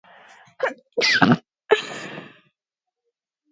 The Otoe settled in the lower Nemaha River valley.